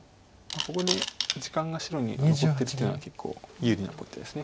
ここで時間が白に残ってるっていうのは結構有利なことです。